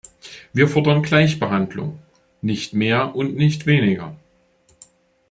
Wir fordern Gleichbehandlung nicht mehr und nicht weniger.